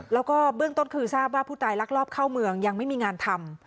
แล้วก็เบื้องต้นคือทราบว่าผู้ตายลักลอบเข้าเมืองยังไม่มีงานทำ